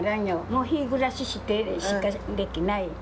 もう日暮らししてしかできないよ。